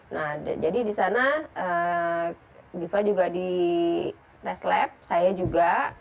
nah jadi di sana diva juga dites lab saya juga